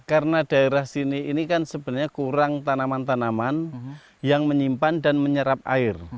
karena daerah sini ini kan sebenarnya kurang tanaman tanaman yang menyimpan dan menyerap air